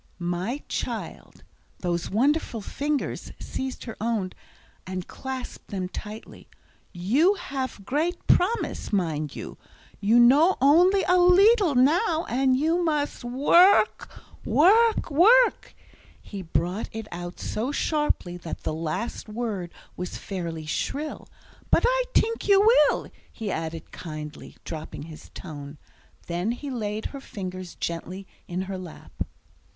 "My child," those wonderful fingers seized her own, and clasped them tightly, "you have great promise, mind you, you know only a leedle now, and you must work work work." He brought it out so sharply, that the last word was fairly shrill. "But I tink you will," he added kindly, dropping his tone. Then he laid her fingers gently in her lap.